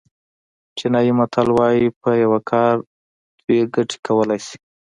چینایي متل وایي په یو کار دوه ګټې کولای شي.